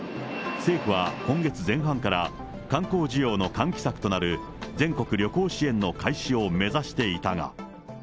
政府は、今月前半から観光需要の喚起策となる全国旅行支援の開始を目指していたが。